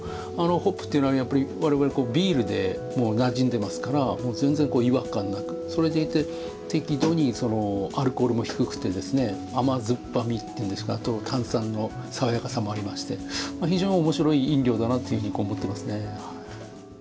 ホップっていうのはやっぱり我々ビールでもうなじんでますからもう全然違和感なくそれでいて適度にアルコールも低くて甘酸っぱみっていうんですか炭酸の爽やかさもありまして非常に面白い飲料だなっていうふうに思ってますね。